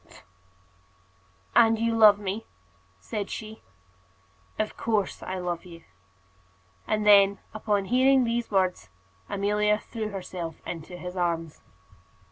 said she. [ILLUSTRATION: "And you love me?" said she.] "Of course I love you." And then, upon hearing these words, Amelia threw herself into his arms.